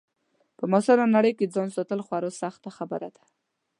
په معاصره نړۍ کې ځان ساتل خورا سخته خبره ده.